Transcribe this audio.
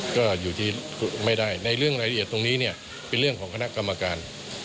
ก็อยู่ที่ไม่ได้ในเรื่องรายละเอียดตรงนี้เนี่ยเป็นเรื่องของคณะกรรมการ